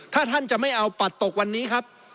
ถ้าท่านจะไม่เอาปัดตกวันนี้ครับ